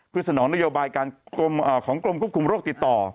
เพื่อสนองนโยบายการของกรมควบคุมโรคติดต่อ